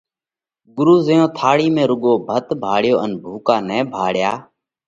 ڳرُو زئيون ٿاۯِي ۾ رُوڳو ڀت ڀاۯيو ان ڀُوڪا نئہ ڀاۯيا